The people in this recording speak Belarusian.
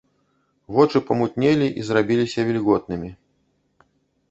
Вочы памутнелі і зрабіліся вільготнымі.